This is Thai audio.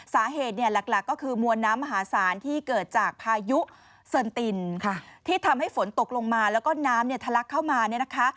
สาเหตุเนี่ยหลักก็คือมวลน้ำมหาศาลที่เกิดจากพายุเซินตินที่ทำให้ฝนตกลงมาแล้วก็น้ำเนี่ยทะลักเข้ามาเนี่ยนะคะ